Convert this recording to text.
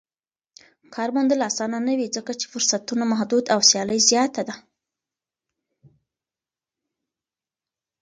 کار موندل اسانه نه وي ځکه چې فرصتونه محدود او سیالي زياته ده.